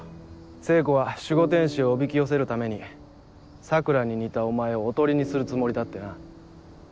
聖子は守護天使をおびき寄せるために桜に似たお前をおとりにするつもりだってな。